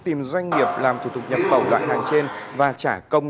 tìm doanh nghiệp làm thủ tục nhập bầu đoạn hàng trên và trả công